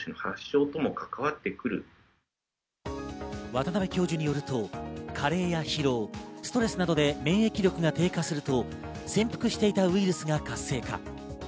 渡邉教授によると、加齢や疲労、ストレスなどで免疫力が低下すると、潜伏していたウイルスが活性化。